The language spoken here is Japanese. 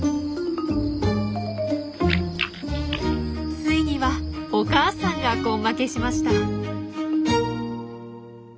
ついにはお母さんが根負けしました。